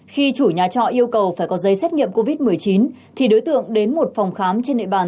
khi chủ nhà trọ yêu cầu phải có giấy xét nghiệm covid một mươi chín thì đối tượng đến một phòng khám trên địa bàn